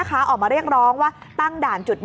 ก็ไม่มีอำนาจ